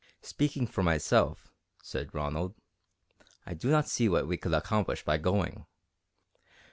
"Speaking for myself," said Ronald, "I do not see what we could accomplish by going.